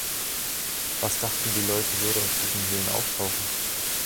Was dachten die Leute, würde aus diesen Höhlen auftauchen?